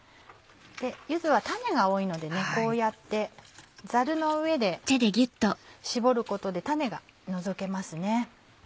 柚子は種が多いのでこうやってざるの上で搾ることで種が除けますね。